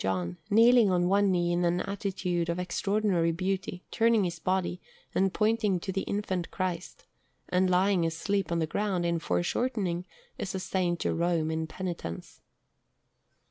John, kneeling on one knee in an attitude of extraordinary beauty, turning his body, and pointing to the Infant Christ; and lying asleep on the ground, in foreshortening, is a S. Jerome in Penitence.